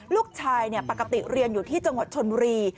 ลูกชายปกติเรียนอยู่ที่จังหวัดชนบุรี